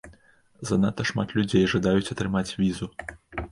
Занадта шмат людзей жадаюць атрымаць візу.